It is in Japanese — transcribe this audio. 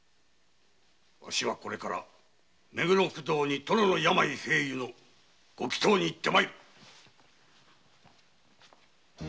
わしは目黒不動に殿の病平癒のご祈祷に行って参る。